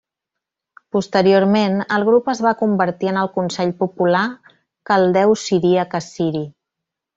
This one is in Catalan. Posteriorment el grup es va convertir en el Consell Popular Caldeu-Siríac-Assiri.